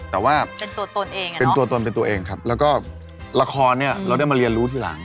แต่ว่าเป็นตัวตนเป็นตัวเองครับแล้วก็ราคอนี่เราได้มาเรียนรู้ทีหลัง